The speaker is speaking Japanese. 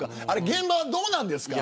現場はどうなんですか。